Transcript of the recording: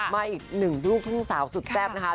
มาอีกหนึ่งลูกทุ่งสาวสุดแซ่บนะคะ